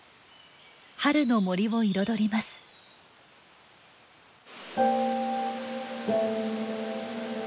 春の森を彩ります。